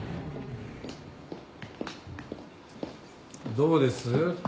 ・どうです？